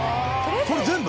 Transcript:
これ全部？